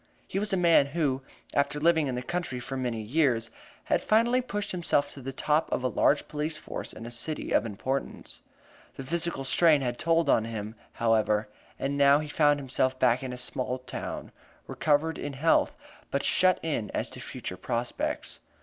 He was a man who, after living in the country for many years, had finally pushed himself to the top of a large police force in a city of importance. The physical strain had told on him, however, and now he found himself back in a small town, recovered in health, but shut in as to future prospects.